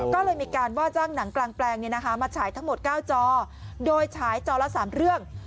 ก็เลยมีการว่าจ้างหนังกลางแปลงมาฉายทั้งหมด๙จอโดยฉายจอละ๓เรื่อง